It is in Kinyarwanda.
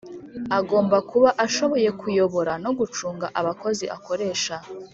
Agomba kuba ashoboye kuyobora no gucunga abakozi akoresha.